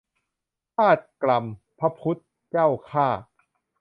ทาส-กรรม พระ-พุทธ-เจ้า-ข้า